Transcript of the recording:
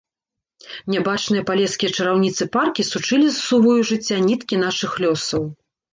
Нябачныя палескія чараўніцы-паркі сучылі з сувою жыцця ніткі нашых лёсаў.